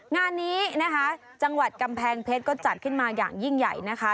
งานนี้นะคะจังหวัดกำแพงเพชรก็จัดขึ้นมาอย่างยิ่งใหญ่นะคะ